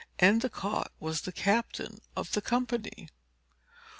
Endicott was the captain of the company.